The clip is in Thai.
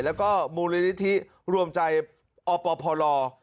แล้วก็มูลนิธิรวมใจอปพล